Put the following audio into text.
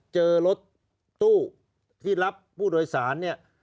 เจอรถตู้ที่รับผู้โดยสาร